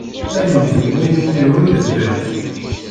Ad indem win iwumi ur idbiɣ.